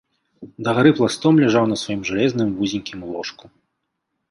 Дагары пластом ляжаў на сваім жалезным вузенькім ложку.